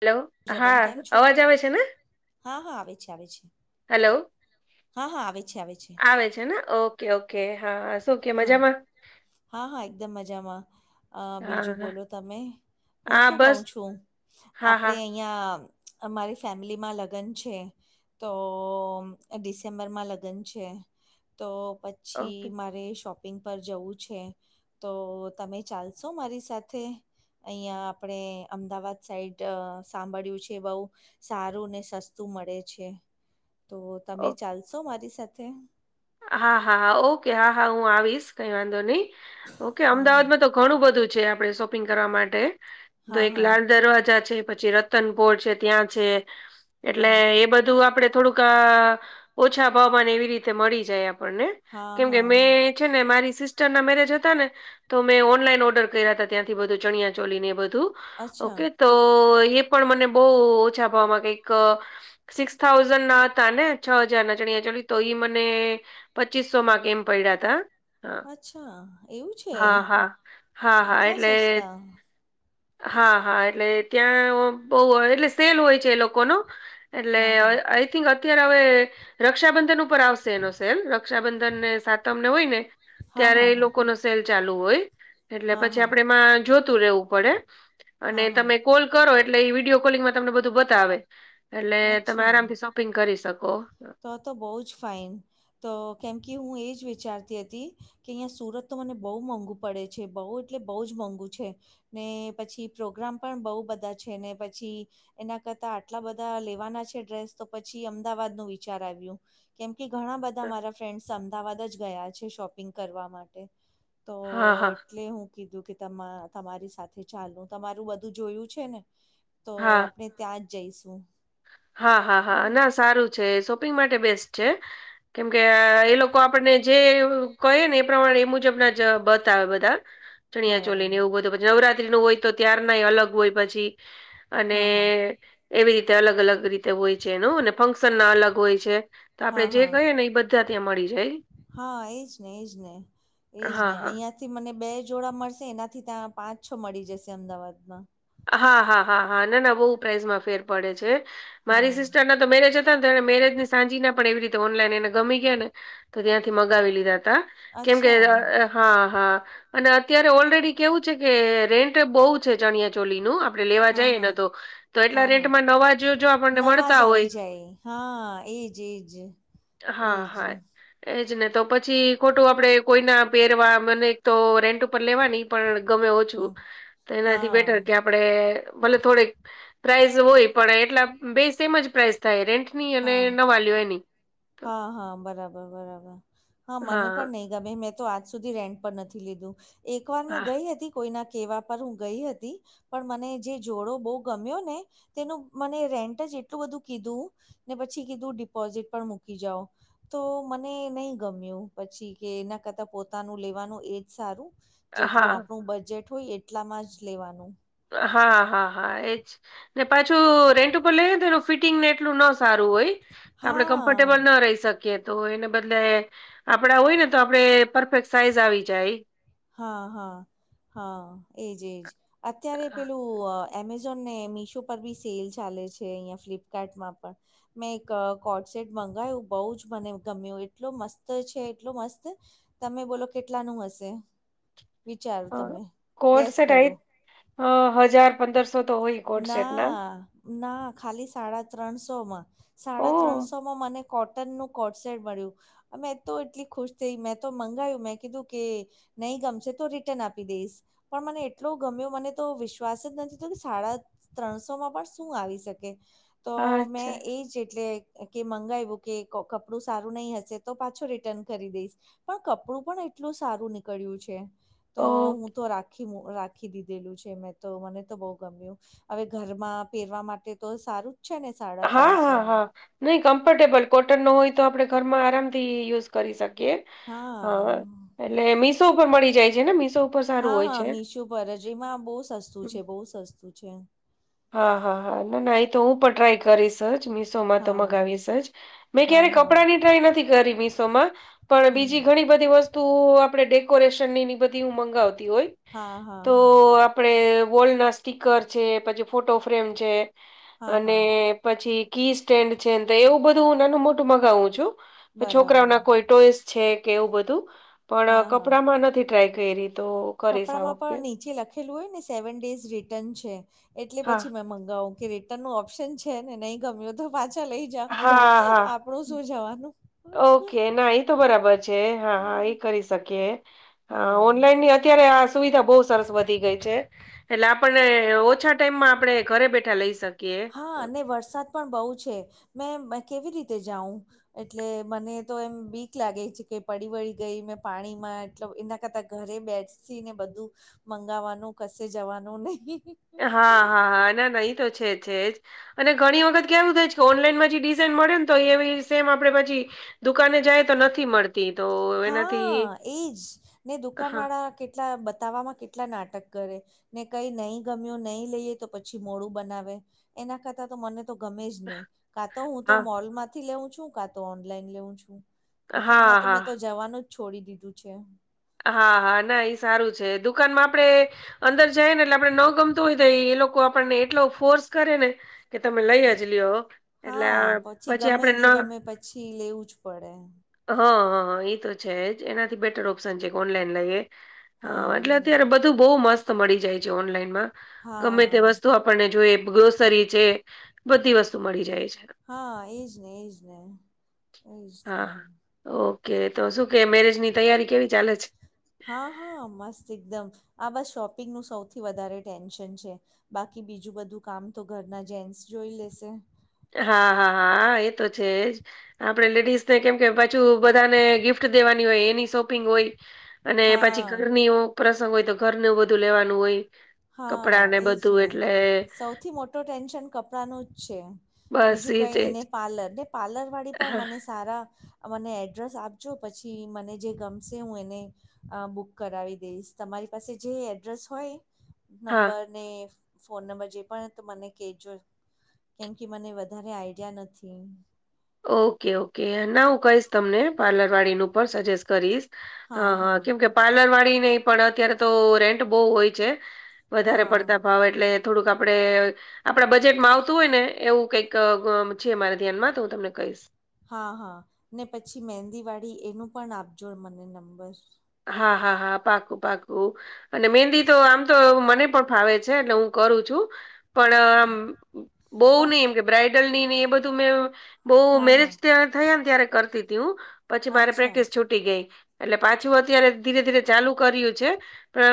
Hello પૂજાબેન હા કેમ છો? અવાજ આવે છે ને હા હા આવે છે આવે છે હલો હા હા આવે છે આવે છે આવે છે ને ઓકે ઓકે હા સોકે હા મજામાં હા હા એકદમ મજામાં હા બીજું હા બોલો તમે હું હા શું કઉ બસ છું હા હા આપડે અહી અહીં અમારી ફેમિલીમાં લગ્ન છે તો ડિસેમ્બરમાં લગ્ન છે તો પ ઓકે પછી મારે શોપિંગ પર જવું છે તો તમે ચાલશો મારી સાથે અહિયાં આપણે અમદાવાદ સાઈડ સાંભળ્યું છે બહુ સારું ને સસ્તું મળે છે તો ઓકે તમે ચાલશો મારી સાથે હા હા હા ઓકે હા હા હું આવીશ કઈ વાંધો નહી ઓકે હા હા અમદાવાદમાં તો ઘણું બધું છે આપણે શોપિંગ કરવા માટે તો હા એક હા લાાલ દરવાજા છે પછી ર તનપોર છે ત્યાં છે એટલે હા એ બધું આપડે થોડુંક ઓછા ભાવમાંન એવી રીતે મળી જાય આપણને હા કેમ કે હા મેં છે ને મારી સિસ્ટ ના મેરેજ હતા ને તો મેં ઓનલાઈન ઓર્ડર કર્યા હતા ત્યાંથી બધું ચણિયા ચોલી ને બધું અચ્છા ઓકે તો એ પણ મને બહ ઓછા ભાવમાં કઈક સિક્સ થાઉઝન્ડ ના હતા ને છ હજાર ના જ એચુઅલી તો એ મને પચીસો માં કેમ પડ્યા ત હા અચ્છા એવું છે હા હા હા હા આટલા એટલે સસ્તા હા હા એટલે ત્યાં બહ એટલે સેલ હોય છે એ લોકોનો એટલે હા હા આઈ થિંક અત્યારે હવે રક્ષાબંધન ઉપર આવશે એનો સેલ રક્ષાબંધન ને સાતમને હોય ને હા ત્યારે હા એ હા લોકો ન સેલ ચાલુ હોય એટલે હા પછી હા આપણેે એમાં જોતું રહેવું પડે અને હા હા તમે કોલ કરો એટલે વિડીયો કોલિંગમાં તમને બધું બતાવે એટલે તમે અચ્છા આરામથી પિંગ કરી શકો તો તો બહુ જ ફાઇન તો કેમ કે હું એ જ વિચારતી હતી કે અહીંયા સુરત તો મને બહુ મોંઘું પડે છે બહુ એટલે બહુ જ મોંઘું છે ને પછી પ્રોગ્રામ પણ બહુ બધા છે ને પછી એના કરતા આટલા બધા લેવાના છે ડ્રેસ તો પછી અમદાવાદ નું વિચાર આવ્યું કેમ કે ઘણા બધા મારા ફ્રેન્ડ અમદાવાદ જ ગયા છે શોપિંગ કરવા માટે તો હા હા એટલે હું કીધું કે તમા તમારી સાથે ચાલું તમારું બધું જોયું છે ને તો હા આપણે ત્યાં જ જઈશું હા હા હા બરાબર ના સારું છે શોપિંગ માટે બેસ્ટ છે કેમ કે એ લોકો આપડને જે કહી ને એ પ્રમાણે એ મુજબ ના જ બત આવે બધા ચણિયા ચોલી બરાબર ને એવું બધું નવરાત્રી નું હોય તો ત્યાર નાય અલગ હોય પછી અને હા હા એવી રીતે અલગ અલગ રીતે હોય છે એનું અને ફંક્શન ના અલગ હોય તો આપણે હા જે હા કહી ને એ બધા ત્યાં મળી જાય હા એજ ને એજ ને એજ હા ને હા અહિયાં થી મને બે જોડા મળશે એનાથી ત્યાં પાંચ છો મળી જશે અમદાવાદમાં હા હા હા હા ના ના બહુ પ્રાઇઝમાં ફેર પડે છે મારી હા સિસ્ટરને તો મેરેજ હતા ને મેરેજ ને સાંજીી ના પે એવી રીતે ઓનલાઈન એને ગી ગયા ને તો ત્યાંથી મગાવી લીધા હતા કેમ કે અચ્છા હા હા અને અત્યારે ઓલરેડી કેવું છે કે રેન્ટ બહુ છે ચણિયા ચોલીનું આપણે લેવા હા જઈએ ને હા તો તો એટલા હા હા રેટમાં નવા જો જો આપણને નવાજ મળતા આવી હોય જાય હા એજ એજ હા એજ હા એજ ને તો પછી ખોટું આપણેે કોઈના પહેરવા મને એક તો રેન્ટ ઉપર લેવાની પણ ગમે ઓછું હમ તો એનાથી બેટર હા આપે ભલે થોડીક પ્રાઇઝ હોય પડે એટલા બે સ એમ જ પ્રાાઈસ થાય રેન્ટ ની અને હા ન વાલીઓ એની હા હા બરાબર બરાબર હા મને પણ નહી ગમે મેં તો આજ સુધી રેન્ટ પર નથી લીધું એક વાર મેં હા ગઈ હતી કોઈના કેવા પર હું ગઈ હતી પણ મને જે જોડો બહુ ગમ્યો ને તેનું મને રેન્ટ જ એટલું બધું કીધું ને પછી કીધું ડિપોઝિટ પણ મૂકી જાઓ તો મને નહી ગમ્યું પછી કે એના કરતા પોતાનું લેવાનું એજ સારું જેટલું હા આપણું બજેટ હોય એટલામાં જ લેવાનું હા હા હા એજ ને પાછું રેન્ટ ઉપર લઈ તો એનું ફિટિંગને એટલું ન સારું હોય આપડણે હા કમ્ફર્ટેબલ ના રહી શકીએ કે તો એને બદલે આપડા હોય ને તો આપડે પરફેક્ટ સાઈઝ આવી જાય હા હા હા એજ એજ અત્યારે પેલું એમેઝોન ને મીશો પર બી સેલ ચાલે છે અહીંયા ફ્લિપકાર્ટમાં પણ મેં એક કોટ સેટ મંગાય બહ જ મને ગમ્યું એટલો મસ્ત છે એટલો મસ્ત તમે બોલો કેટલા નું હશે? વિચારો તમે ગેસ કરો. હ હજાર પંદરસો તો હોય કોટ સેટ ના. ના ખાલી સાડા ત્રણસો માં સાડા ઓહ ત્રણસો માં મને કોટનનુંું કોટસેટ મળ્યું મેં તો એટલી ખુશ થઈ મેં તો મંગાયું મેં કીધું કે નહીં ગમશે તો રિટર્ન આપી દઈશ પણ મને એટલો ગમ્યો મને તો વિશ્વાસ જ નથી થ કે શડાા ત્રણસોમાં પણ શું આવી શકે તો મેં અચ્છા એ જ એટલે કે મંગાવ્યું કે કપડું સારું નહીં હશે તો પાછો રિટર્ન કરી દઈશ પણ કપડું પણ એટલું સારું નીકળ્યું છે તો ઓ હું તો રાખ ખી રાખી દીધેલું છે મેં તો મને તો બહુ ગમ્યું હવે ઘરમાં પહેરવા માટે તો સારું જ છે ને સાડા હા હા ત્રણસોમાં હા નહી કમ્ફર્ટેબલ કોટન નો હોય તો આપણે ઘરમાં આરામથી યુઝ કરી શકીએ હા એટલે મીશો ઉપર મળી જાય છે ને મીશો ઉપર સારું હોય છે વરજરીમાં બહુ સસ્તું હમ. છે બહુ સસ્તું છે. હા હા હા ના ના એ તો હું પણ ટ્રાય કરીશ જ મીશોમાં તો હા મગાવીશ જ. મેં હા ક્યારે કપડા ની હા ટ્રાય નથી કરી મિશોમાં પણ બીજી હમ ઘણી બધી વસ્તુ ત આપણે ડેકોરેશન નીની બધી મંગાવતી હોય હા હા તો હા આપણે વોલના સ્ટીકર છે પછી ફોટો ફ્રેમ છે હા અને હા પછી કી સ્ટેન્ડ છે તો એવું બધું હું નાનું મોટું મગાવું છું છોકરાઓ બરાબર ના કોઈ ફટો છે કે એવું બધું પણ હા હા કપડામાં નથી ટ્રાય કરી. તો કરીશ આ કપડામાં વખતે પણ નીચે લખેલું હોય ને સેવન ડેઝ રિટર્ન છે એટલે હા પછી મેં મંગાવું. કે રિટર્ન નું ઓપ્શન છે ને નહી ગમ્યો તો પાછા લઈ જાવ આપ. હા હા આપણું શું જવાનું? ઓકે ના એ તો બરાબર છે હા હા એ કરી શકીએ હા ઓનલાઈન ની અત્યારે આ સુવિધા બહુ સરસ વધી ગઈ છે એટલે આપણને ઓછા ટાઈમમાં આપણે ઘરે બેઠા લઈ શકીએ હા તો અને વરસાદ પણ બહુ છે મેં કેવી રીતે જાઉં એટલે મને તો એમ બીક લાગે છે કે પડી વળી ગઈ મેં પાણી માં એટલ એના કરતા ઘરે બેઠસી ને બધું મંગાવવાનું કશે જવાનું નહી હા હા હા એ ના નહી તો છે અને ઘણી વખત કેવું થાય કે ઓનલાઈનમાં જે ડિઝઇન મળે ને તો એ સેમ આપડે પછી દુકાને જાય તો નથી મળતી તો એનાથી હા એજ ને હા. દુકાનવાળા કેટલા બતાવવામાં કેટલા નાટક કરે. ને કઈ નહી ગમ્યું નહીં લઈએ તો પછી મોડું બનાવે એના કરતાં તો મને તો ગમે જ નહીં કા તો હું તો હા મોલ માંથી લેઉું છું કા તો ઓનલાઈન લેઉું છું. દુકાનમાં હા તો હા મેં તો જવાનું જ છોડી દીધું છે હા હા ના એઈ સારું છે દુખ દુકાન આપે અંદર જાય ને એટલે આપડે ન ગમતું હોય તો એ એ લોકો આપણને એટલો ફોર્સ કરે ને. કે તમે લઈ જ જ લઓ એટલે હા પછી ગમે આપણે નહીં ન ગમે પછી લેવું જ પડે હા હા એ તો છે જ એનાથી બેટર ઓપ્શન છે કે ઓનલાઈન લઈએ હા એટલે અત્યારે બધું બહુ મસ્ત મળી જાય છે ઓનલાઈનમાં ગમે તે હા વસ્તુ આપણને જોઈ ગ્રોસરી છે બધી વસ્તુ મળી જાય છે હા એજ ને એજ ને એજ ને હાા ઓકે તો શું કે મેરેજની તૈયારી કેવી ચાલે છે હા હા મસ્ત એકદમ આ બસ શોપિંગનું સૌથી વધારે ટેન્શન છે બાકી બીજું બધું કામ તો ઘરના જેન્ટસ જોઈ લેશે હા હા હા એ તો છેજ આપડણે લેડીઝ ને કેમ કે પાછું બધાને ગિફ્ટ દેવાની હોય એની શોપિંગ હોય અને પછી હા ઘરની પ્રસંગ હોય તો ઘરનું બધું લેવાનું હોય હા કપડાં એજ બધું ને એટલે સૌથી મોટ મોટ ટેન્શન કપડા ન જ છે બસ બીજું એજ કઈ ન એજ ને પ્લર ને પાર્લર વાળી પણ હા હા. મને સારા મને એડ્રેસ આપજો પછી મને જે ગમશે હું એને અ બુક કરાવી દઈશ તમારી પાસે જે એડ્રેસ હોય. નંબર ને ફોન નંબર જે પણ મને કજો કેમ કે મને વધારે આઈડિયા નથી ઓકે ઓકે ના હું કહીશ તમને પાર્લર વાળીનું ઉપ સજેસ્ટ કરીશ હા હા કેમ કે પાર્લર વાળી નહી પણ અત્યારે તો રેન્ટ બહુ હોય છે વધારે હા પડતા ભાવ એટલે થોડુંક આપડણે આપણા બજેટમાં આવતું હોય ને એવું કઈક છે મારા ધ્યાનમાં તો હું તમને કહીશ હા હા ને પછી મહેંદીવાળી એનું પણ આપજો મને નંબર હા હા હા પાકું પાકું અને મહેંદી તો આમ તો મને પણ ફાવે છે એટલે હું કરું છું પણ આમ બહ નહી એમ કે બ્રાઈડલ ની નહ એ બધું મેં બહ હા મેરેજ હા ત થયા ને ત્યારે કરતી તી હું પછી મારે અચ્છા પ્રેક્ટિસ છૂટી ગઈ એટલે પાછ પાછ અત્યારે ધીરે ધીરે ચાલુ કર્યું છે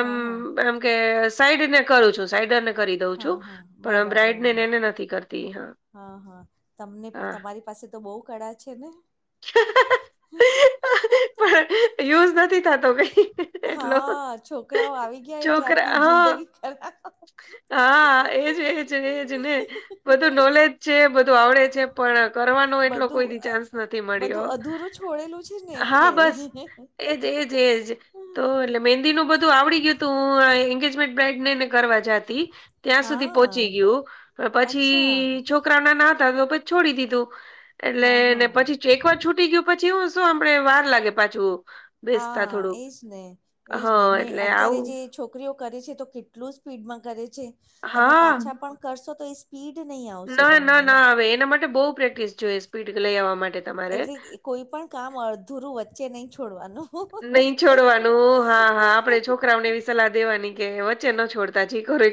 હા હા એમ કે સાઈડને કરું છું સાઈડર ને કરી દઉં છું હા હા પણ બરાબર બ્રાઈડ નેને હા એને નથી કરતી હા હા હા તમને હા તમારી પાસે તો બહુ કળા છે ને છે યુઝ નથી થતો કઈ એટલો હા છોકરાઓ આવી ગયા એટલે આપણી છોકરા હા જિંદગી ખરાબ હા એજ એજ એજ ને બધું નોલેજ છે બધું આવડે છે કરવાનો એટ બધું કોઈ ચાન્સ નથી બધું મળ્યો અધૂરું છોડેલું છે ને હા એટલે બસ એજ એજ એજ. તો એટલે મેંદીનું બધું આવડી ગયું હતું હું એંગેજમેન્ટ બ્રાઈડ નેને કરવા જાતી. ત્યાં સુધી પહોંચી હા ગયું અચ્છા પછી છો છોકરા ના તો પછી છોડી દીધું હા એટલેને હા પછી એક વાર છૂટી ગયું. પછી હું શું આપડે વાર લાગે પાછું. બેસતા હા, થોડુંક એજ ને એજ હા ને એટલે અત્યારે આવું જે છોકરીઓ કરે છે તો કેટલું સ્પીડમાં કરે છે તમે હા પાછા પણ કરશો તો એ સ્પીડની ના ના ના, આવે એના માટે બહુ પ્રેક્ટિસ જોઈએ સ્પીડ લઈ આવવા માટે. તમારે એટલે કોઈ પણ કામ અડધુરું વચ્ચે નઈ છોડવાનું. નઈ છોડવાનું હા હા, આપડે છોકરાઓને એવી સલાહ દેવાની કે વચ્ચે ન છોડ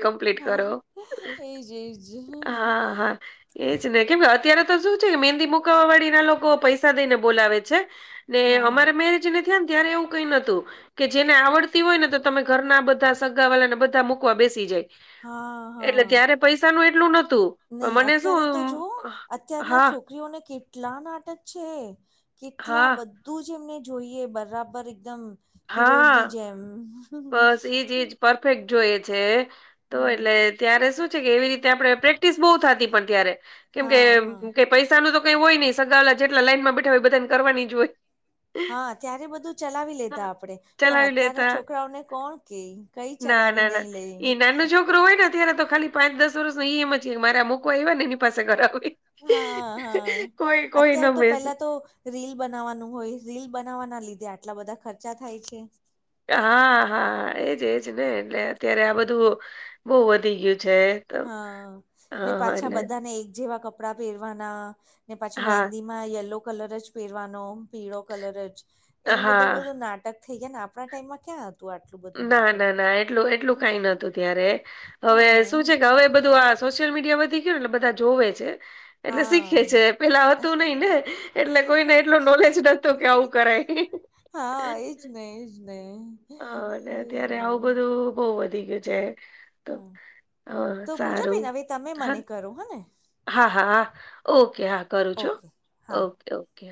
કમ્પ્લીટ કરો હા એજ એજ હા, હા. એજ ને કેમ અત્યારે તો શું છે મહેંદી મુકવા વાળીના લોકો પૈસા દઈને બોલાવે છે. ને હા હા અમારે મેરેજને થયા ને ત્યારે એવું કઈ નતું કે જેને આવડતી હોય ને તો તમે ઘરના બધા સગા વાલાને બધા મુકવા બેસી જાય. હા એટલે હા ત્યારે પૈસાનું એટલું નતું નહીં મને અત્યારે શું તો જુઓ અત્યારના હા. છોકરીઓને કેટલા નાટક છે કેટલા હા બધ તું જેમને જોઈએ બરાબર એકદમ હા હિરોઈનની જેમ. બસ એજ એજ પરફેક્ટ જોઈએ છે તો હમ એટલે ત્યારે શું છે કે એવી રીત આપણે પ્રેક્ટિસ બો થતી પણ ત્યારે કેમ હા હા કે પૈસાનુ તો કઈ હોય નઈ સગાવલા જેટલા લાઈનમાં બેઠા હોય બધા ને કરવાની જ હોય. હા, ત્યારે બધું ચલાવી લેતા હા, આપડે પણ ચલાવી અત્યારના લેતા છોકરાઓને કોણ કેય. કંઈ ના ચલાવી ના ના નઈ લેઈ. ઈ નાનું છોકરું હોય ને અત્યારે તો ખાલી પાંચ દસ વર્ષ ન એમ મારેરા મકવા આવ ને એની પાસે હા, કોઈ હા કોઈ ન અત્યારે તો બેસ પેલ્લા તો રીલ બનાવવાનું હોય રીલ બનાવવાના લીધે આટલા બધા ખર્ચા થાય છે. હા, હા એજ એજ ને એટલે અત્યારે આ બધું બો વધી ગયું છે. તો હા, ને હા હા પાછા એટલે બધાને એક જેવા કપડા પહેરવાના ને પાછા હા મેંદી માં યલો કલર જ પેરવાનો પીળો કલર જ એ બધું હા બધું નાટક થઈ જાયને આપણા ટાઈમમાં ક્યાં હતું આટુ ના ના ના, એટલું એટલું કાઈ નતું ત્યારે હવે શું હા છે કે હવે બધું આ સોશિયલ મીડિયા વધી ગયુ ને એટલે બધા જોવે છે. એટલે શીખે હા છે પેલા હતું નઈ ને એટલે કોઈને હા એટલો નોલેજ નતો કે આવું કરાય હા, એજ ને એજ ને. હા, અને એજ અત્યારે ને આવું બધું બો વધી ગયું છે. તો હા, હ તો પૂજા સારું બેેન હવે તમે હા મને કરો હને. હા હા હા, ઓકે હા કરું છું ઓકે હા ઓકે ઓકે.